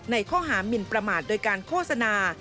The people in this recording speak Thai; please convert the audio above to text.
ในข้อหามินประมาทโดยการโฆษณา